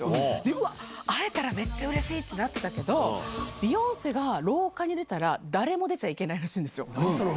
うわっ、会えたらめっちゃうれしいってなってたけど、ビヨンセが廊下に出たら、誰も出ちゃいけないらしいんですよ。